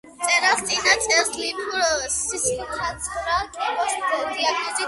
მწერალს წინა წელს ლიმფურ სისხლძარღვთა კიბოს დიაგნოზი დაუსვეს.